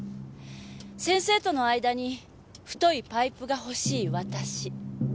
先生との間に太いパイプがほしい私。